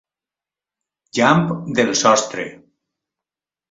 Llamp del sostre.